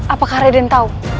apakah raden tahu